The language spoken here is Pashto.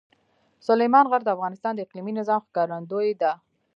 سلیمان غر د افغانستان د اقلیمي نظام ښکارندوی ده.